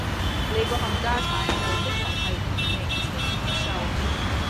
你個冚家鏟又的確係眉清目秀